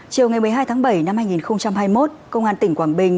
chiều ngày một mươi hai tháng bảy năm hai nghìn hai mươi một công an tỉnh quảng bình